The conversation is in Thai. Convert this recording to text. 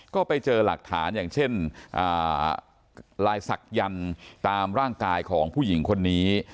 ก็ไปเจอหลักฐานอย่างเช่นลายศักยันต์ตามร่างกายของผู้หญิงคนนี้